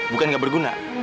bukan gak berguna